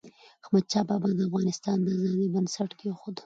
احمدشاه بابا د افغانستان د ازادی بنسټ کېښود.